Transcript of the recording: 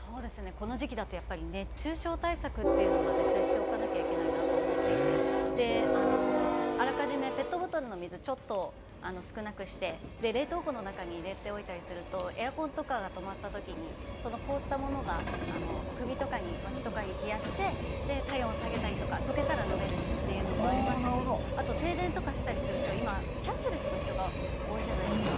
この時期だと、熱中症対策というのは絶対しておかなきゃいけないなと思っていて、あらかじめペットボトルの水、ちょっと少なくして、冷凍庫の中に入れておいたりすると、エアコンとかが止まったときに、凍ったものが、首とか脇とかを冷やして体温を下げたりとか、溶けたら飲めるしというのもありますし、停電とかしたりすると、今、キャッシュレスの人が多いじゃないですか。